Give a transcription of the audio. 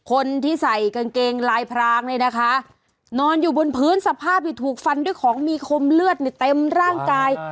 คนที่ใส่กางเกงลายพรางเนี่ยนะคะนอนอยู่บนพื้นสภาพที่ถูกฟันด้วยของมีคมเลือดในเต็มร่างกาย